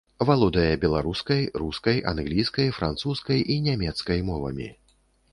Валодае беларускай, рускай, англійскай, французскай і нямецкай мовамі.